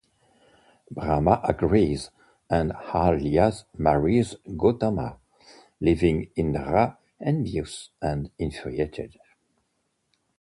Brahma agrees and Ahalya marries Gautama, leaving Indra envious and infuriated.